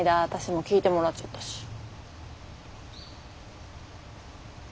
私も聞いてもらっちゃったし。